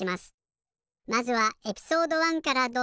まずはエピソード１からどうぞ。